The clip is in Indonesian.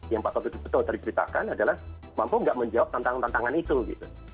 yang pak toto tadi ceritakan adalah mampu nggak menjawab tantangan tantangan itu gitu